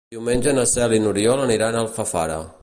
Diumenge na Cel i n'Oriol aniran a Alfafara.